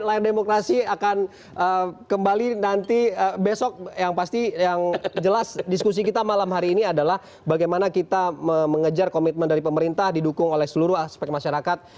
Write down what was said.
layar demokrasi akan kembali nanti besok yang pasti yang jelas diskusi kita malam hari ini adalah bagaimana kita mengejar komitmen dari pemerintah didukung oleh seluruh aspek masyarakat